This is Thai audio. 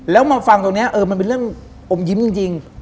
แล้วมาฟังตรงนี้เออมันเป็นเรื่องอมยิ้มจริง